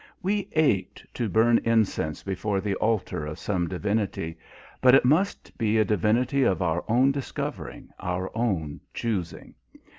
We ached to burn incense before the altar of some divinity; but it must be a divinity of our own discovering, our own choosing.